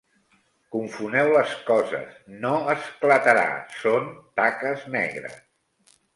Confoneu les coses, no esclatarà: són taques negres!